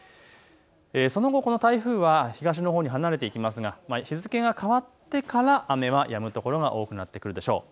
その後、この台風は東のほうへ離れていきますが日付が変わってから雨はやむ所が多くなってくるでしょう。